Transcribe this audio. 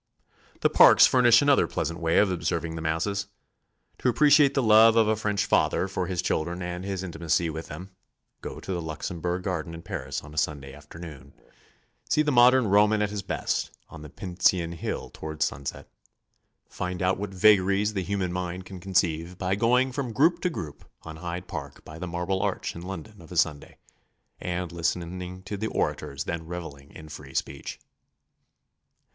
The parks furnish another pleasant way of observing the masses. To appreciate the love of a French father for his children and his intimacy with them, go to the Luxembourg Garden in Paris on a Sunday afternoon. See the modern Roman at his best on the Pincian Hill toward sunset. Find out what vagaries the human mind can conceive by going from group to group on Hyde Park by the Marble Arch in London of a Sunday, and listening to the orators then revelling in free speech.